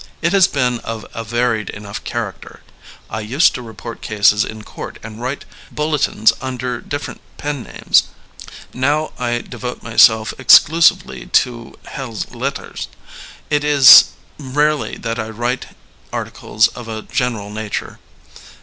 It has been of a varied enough character. I used to report cases in court and write feuilletons under different pen names. Now I de vote myself exclusively to helles lettres. It is rarely that I write articles of a general nature.